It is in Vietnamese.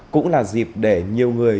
cũng là dịp để nhiều người